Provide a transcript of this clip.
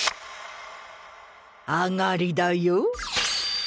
上がりだよ。